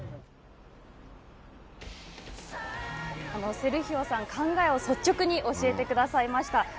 セルヒオさん、考えを率直におっしゃってくださいました。